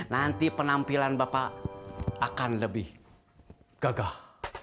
nanti penampilan bapak akan lebih gagah